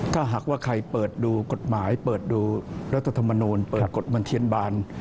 ถ้าหากว่าใครเปิดดูกฎหมายเปิดดูรัฐธรรมนูลเปิดกฎบันเทียนบาน